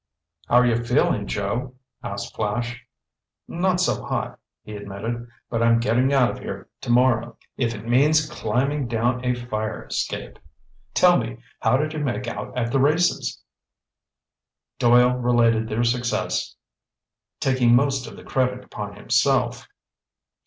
"How are you feeling, Joe?" asked Flash. "Not so hot," he admitted, "but I'm getting out of here tomorrow if it means climbing down a fire escape. Tell me, how did you make out at the races?" Doyle related their success, taking most of the credit upon himself.